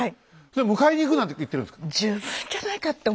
それ迎えに行くなんて言ってるんですか？